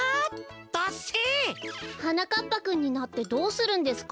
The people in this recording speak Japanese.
ダッセえ！はなかっぱくんになってどうするんですか？